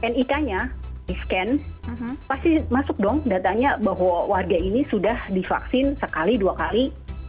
nik nya di scan pasti masuk dong datanya bahwa warga ini sudah divaksin sekali dua kali